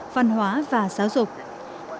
văn hóa tổ chức tổ chức tổ chức tổ chức tổ chức tổ chức